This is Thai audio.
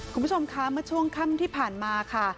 คุณผู้ชมคะเมื่อช่วงค่ำที่ผ่านมาค่ะ